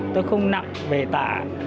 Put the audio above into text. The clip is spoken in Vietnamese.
tôi không nặng về tả